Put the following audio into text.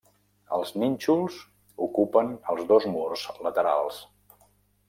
Els nínxols ocupen els dos murs laterals.